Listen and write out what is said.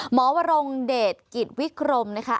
วรงเดชกิจวิกรมนะคะ